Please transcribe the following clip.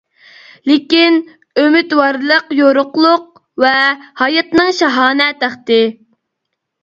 لېكىن ئۈمىدۋارلىق يورۇقلۇق ۋە ھاياتنىڭ شاھانە تەختى.